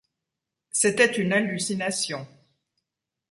C’était une hallucination.